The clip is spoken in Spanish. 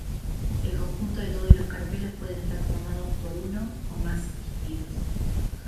El conjunto de todos los carpelos pueden estar formados por uno o más pistilos.